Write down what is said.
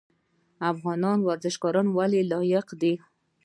افغان ورزشکاران ولې لایق دي؟